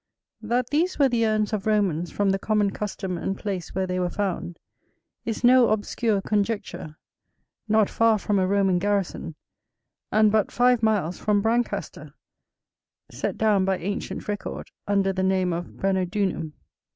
That these were the urns of Romans from the common custom and place where they were found, is no obscure conjecture, not far from a Roman garrison, and but five miles from Brancaster, set down by ancient record under the name of Branodunum.